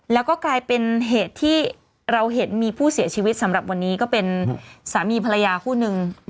แล้วก็กลายเป็นเหตุที่เราเห็นมีผู้เสียชีวิตสำหรับวันนี้ก็เป็นสามีภรรยาคู่นึง